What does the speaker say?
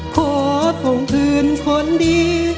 ขวบข่งพื้นคนดี